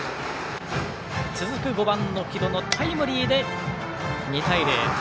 続く５番、城戸のタイムリーで２対０。